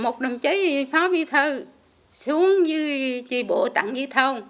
một đồng chí phó bí thư xuống dưới tri bộ tặng dưới thông